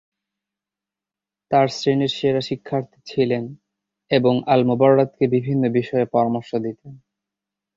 তার শ্রেণির সেরা শিক্ষার্থী ছিলেন এবং আল-মুবাররাদকে বিভিন্ন বিষয়ে পরামর্শ দিতেন।